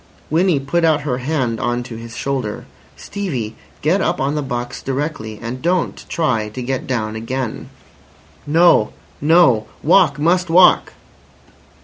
Winnie put out her hand on to his shoulder. "Stevie! Get up on the box directly, and don't try to get down again." "No. No. Walk. Must walk."